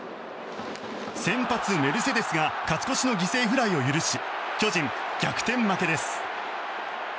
先発メルセデスが勝ち越しの犠牲フライを許し巨人、逆転負けです。